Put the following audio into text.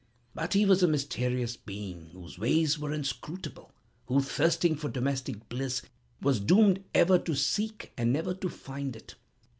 But he was a mysterious being, whose ways were inscrutable, who, thirsting for domestic bliss, was doomed ever to seek and never to find it.